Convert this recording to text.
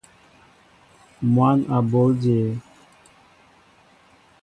Mwăn a bǒl jě ?